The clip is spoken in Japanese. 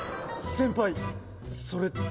先輩それ。